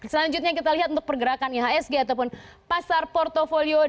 selanjutnya kita lihat untuk pergerakan ihsg ataupun pasar portfolio